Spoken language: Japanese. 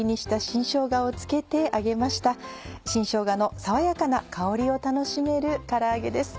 新しょうがの爽やかな香りを楽しめるから揚げです。